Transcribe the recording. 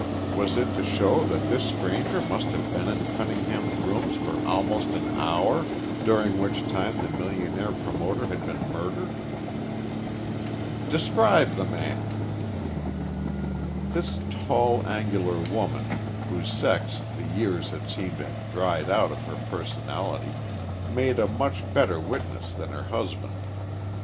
Was it to show that this stranger must have been in Cunningham's rooms for almost an hour, during which time the millionaire promoter had been murdered? "Describe the man." This tall, angular woman, whose sex the years had seemed to have dried out of her personality, made a much better witness than her husband.